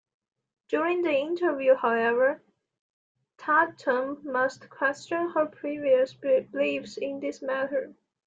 During the interview, however, Tatum must question her previous beliefs in this matter.